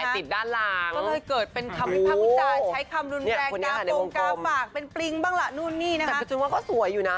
แต่จนว่าเขาสวยอยู่นะ